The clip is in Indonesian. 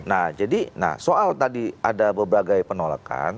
nah jadi soal tadi ada beberapa penolakan